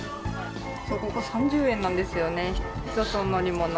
ここ３０円なんですよね、１つの乗り物。